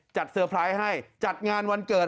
เซอร์ไพรส์ให้จัดงานวันเกิด